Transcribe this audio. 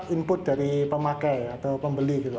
input dari pemakai atau pembeli gitu